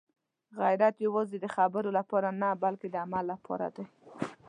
غیرت یوازې د خبرو لپاره نه، بلکې د عمل لپاره دی.